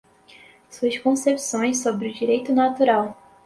Suas concepções sobre o Direito Natural